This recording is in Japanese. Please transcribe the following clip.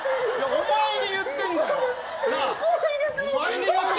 お前に言ってんだよ！